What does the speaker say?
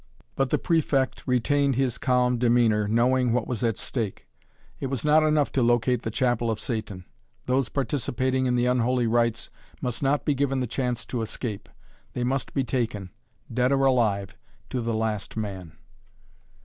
But the Prefect retained his calm demeanor knowing what was at stake. It was not enough to locate the chapel of Satan. Those participating in the unholy rites must not be given the chance to escape. They must be taken, dead or alive, to the last man.